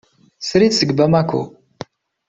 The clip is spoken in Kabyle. Srid seg Bamako.